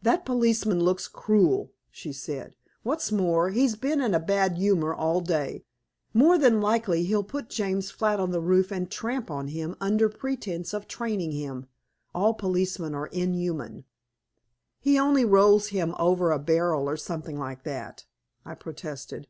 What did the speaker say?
"That policeman looks cruel," she said. "What's more, he's been in a bad humor all day. More than likely he'll put James flat on the roof and tramp on him, under pretense of training him. All policemen are inhuman." "He only rolls him over a barrel or something like that," I protested.